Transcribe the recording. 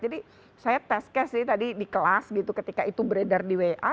jadi saya test case tadi di kelas gitu ketika itu beredar di wa